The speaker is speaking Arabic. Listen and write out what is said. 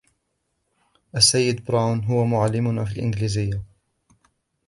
السيد براون هو معلمنا في الإنجليزية.